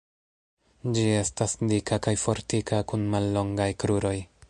Ĝi estas dika kaj fortika kun mallongaj kruroj.